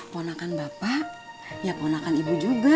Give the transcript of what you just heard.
ponakan bapak ya ponakan ibu juga